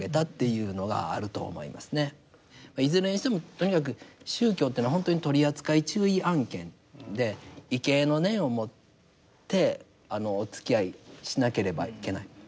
いずれにしてもとにかく宗教というのは本当に取扱注意案件で畏敬の念を持ってあのおつきあいしなければいけない。